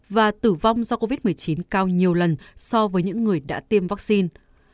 và tử vong do covid một mươi chín cao nhiều lần so với những người đã tiêm vaccine